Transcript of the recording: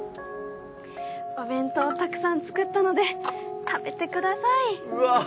お弁当たくさん作ったので食べてくだ